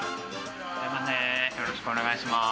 よろしくお願いします。